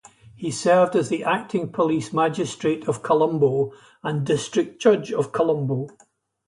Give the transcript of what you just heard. He served as the acting police magistrate of Colombo and district judge of Colombo.